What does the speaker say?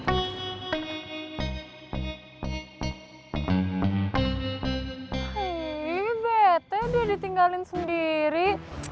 ayy bete dia ditinggalin sendiri